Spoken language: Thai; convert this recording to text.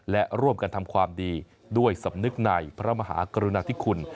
และร่วมกันทำความดีด้วยสำนึกในพระมหากรุณาธิคุณ